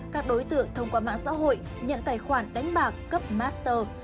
các đối tượng thông qua mạng xã hội nhận tài khoản đánh bạc cấp master